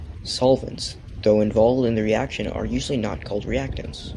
"Solvents", though involved in the reaction, are usually not called reactants.